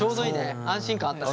安心感あった。